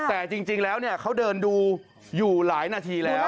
แต่จริงแล้วเขาเดินดูอยู่หลายนาทีแล้ว